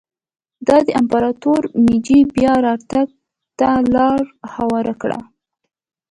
دا د امپراتور مېجي بیا راتګ ته لار هواره کړه.